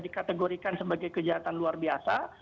dikategorikan sebagai kejahatan luar biasa